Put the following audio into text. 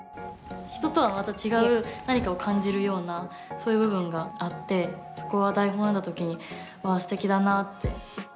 人とはまた違う何かを感じるようなそういう部分があってそこは台本を読んだ時にわあすてきだなって。